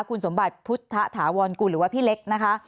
คุณสมบัติพุทธถาวรกุลหรือว่าพี่เล็กนะคะ